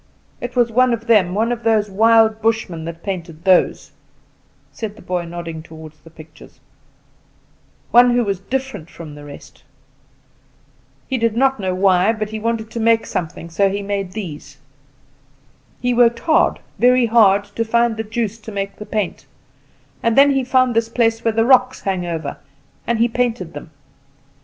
It was one of them, one of these old wild Bushmen, that painted those," said the boy, nodding toward the pictures "one who was different from the rest. He did not know why, but he wanted to make something beautiful he wanted to make something, so he made these. He worked hard, very hard, to find the juice to make the paint; and then he found this place where the rocks hang over, and he painted them.